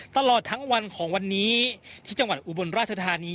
ตลอดทั้งวันของวันนี้ที่จังหวัดอุบลราชธานี